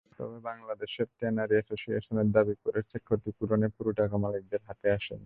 তবে Bangladesh tanners association দাবি করেছে, ক্ষতিপূরণের পুরো টাকা মালিকদের হাতে আসেনি।